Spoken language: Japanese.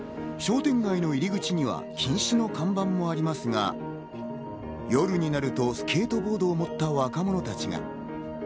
商店街の入口には禁止の看板もありますが、夜になるとスケートボードを持った若者たちが。